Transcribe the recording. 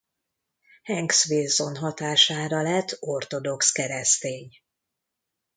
Hanks Wilson hatására lett ortodox keresztény.